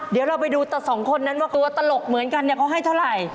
เดี๋ยวเราไปดูแต่สองคนนั้นว่ากลัวตลกเหมือนกันเนี่ยเขาให้เท่าไหร่